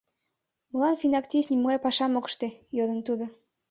Молан финактив нимогай пашам ок ыште? — йодын тудо.